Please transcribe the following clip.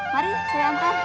mari saya antar